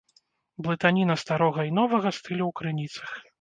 Блытаніна старога і новага стылю ў крыніцах.